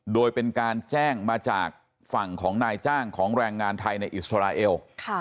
โดยเป็นการแจ้งมาจากฝั่งของนายจ้างของแรงงานไทยในอิสราเอล